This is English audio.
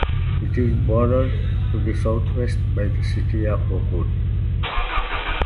It is bordered to the southwest by the city of Oakwood.